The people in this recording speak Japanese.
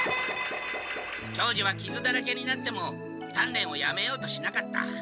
長次はきずだらけになってもたんれんをやめようとしなかった。